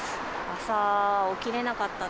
朝起きれなかったね。